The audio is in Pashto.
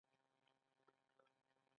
دوی د لارو په اوږدو کې ښارونه جوړوي.